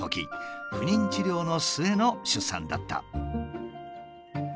不妊治療の末の出産だった。